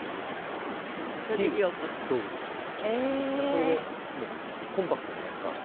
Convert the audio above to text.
これでもうコンパクトじゃないですか。